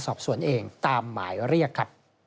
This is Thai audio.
สอบสวนเองตามหมายเรียกครับ